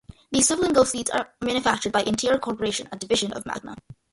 These Swivel 'n Go Seats are manufactured by Intier Corporation a division of Magna.